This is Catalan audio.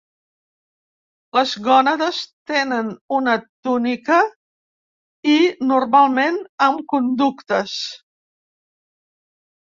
Les gònades tenen una túnica i normalment amb conductes.